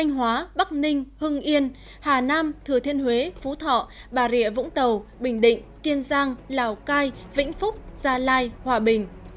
hóa bắc ninh hưng yên hà nam thừa thiên huế phú thọ bà rịa vũng tàu bình định kiên giang lào cai vĩnh phúc gia lai hòa bình